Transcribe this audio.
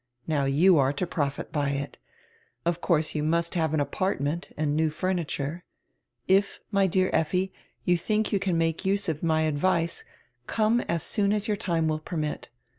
Now you are to profit by it. Of course you must have an apartment and new furniture. If, my dear Effi, you diink you can make use of my advice, come as soon as your time will permit.